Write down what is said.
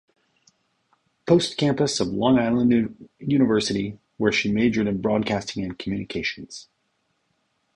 Post Campus of Long Island University, where she majored in Broadcasting and Communications.